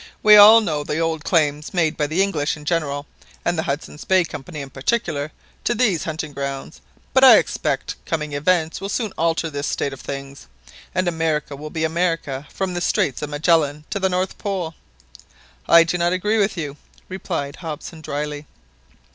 "We all know the old claims made by the English in general, and the Hudson's Bay Company in particular, to these hunting grounds; but I expect coming events will soon alter this state of things, and America will be America from the Straits of Magellan to the North Pole !" "I do not agree with you," replied Hobson dryly.